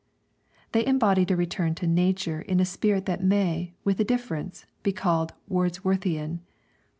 They embodied a return to Nature in a spirit that may, with a difference, be called Wordsworthian.